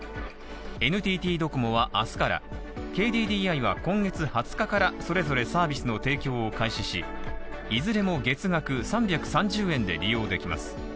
ＮＴＴドコモは明日からＫＤＤＩは今月２０日からそれぞれサービスの提供を開始し、いずれも月額３３０円で利用できます。